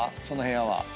その部屋は。